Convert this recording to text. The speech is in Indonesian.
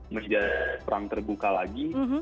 menjadi perang terbuka lagi